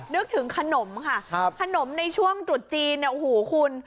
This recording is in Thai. นึกถึงขนมค่ะขนมในช่วงจุดจีนอูหูคุณ